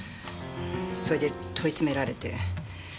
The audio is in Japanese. それで問い詰められて。